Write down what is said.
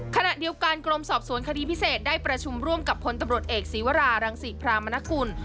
ขณะเดียวกันกรมสอบสวนคดีพิเศษได้ประชุมร่วมกับพลตำรวจเอกศีวรารังศรีพรามนกุล